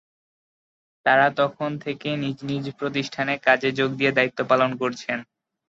তাঁরা তখন থেকে নিজ নিজ প্রতিষ্ঠানে কাজে যোগ দিয়ে দায়িত্ব পালন করছেন।